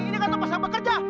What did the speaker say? ini kan tempat siapa kerja